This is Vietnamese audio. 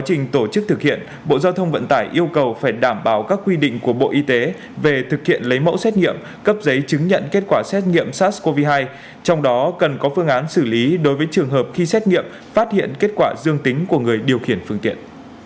trong tổ chức thực hiện bộ giao thông vận tải yêu cầu phải đảm bảo các quy định của bộ y tế về thực hiện lấy mẫu xét nghiệm cấp giấy chứng nhận kết quả xét nghiệm sars cov hai trong đó cần có phương án xử lý đối với trường hợp khi xét nghiệm phát hiện kết quả dương tính của người điều khiển phương tiện